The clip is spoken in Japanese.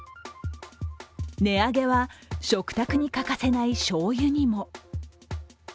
値上げは食卓に欠かせないしょうゆにも。